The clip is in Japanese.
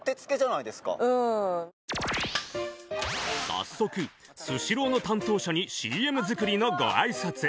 早速スシローの担当者にＣＭ作りのご挨拶